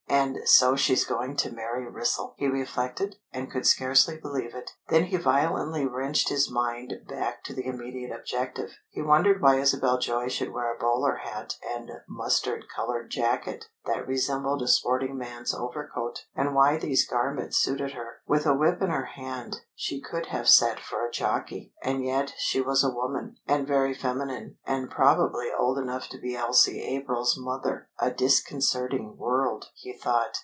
"And so she's going to marry Wrissell!" he reflected, and could scarcely believe it. Then he violently wrenched his mind back to the immediate objective. He wondered why Isabel Joy should wear a bowler hat and mustard coloured jacket that resembled a sporting man's overcoat; and why these garments suited her. With a whip in her hand she could have sat for a jockey. And yet she was a woman, and very feminine, and probably old enough to be Elsie April's mother! A disconcerting world, he thought.